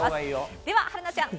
では春奈ちゃん。